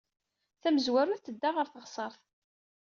Tamezwarut, tedda ɣer teɣsert.